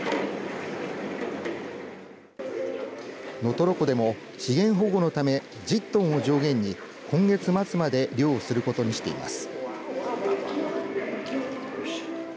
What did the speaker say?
能取湖でも資源保護のため１０トンを上限に今月末まで漁をすることにしています。